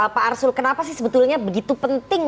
pak arsul kenapa sih sebetulnya begitu penting